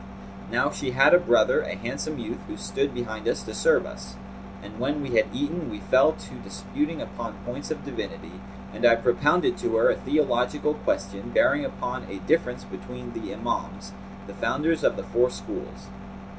Now she had a brother, a handsome youth, who stood behind us, to serve us. And when we had eaten we fell to disputing upon points of divinity, and I propounded to her a theological question bearing upon a difference between the Imams, the Founders of the Four Schools.